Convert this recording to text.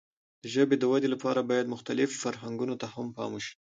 د ژبې د وده لپاره باید مختلفو فرهنګونو ته هم پام وشي.